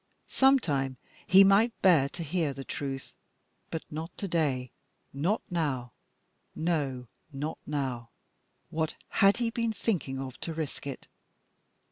Some time he might bear to hear the truth, but not to day, not now; no, not now. What had he been thinking of to risk it?